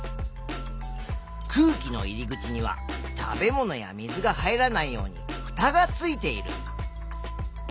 空気の入り口には食べ物や水が入らないようにふたがついている。